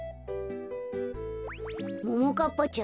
ももかっぱちゃ